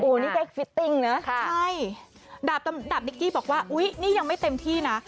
นี่ได้ฟิตติ้งนะใช่ดาบนิกกี้บอกว่าอุ๊ยนี่ยังไม่เต็มที่นะ